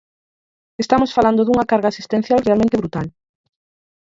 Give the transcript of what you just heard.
Estamos falando dunha carga asistencial realmente brutal.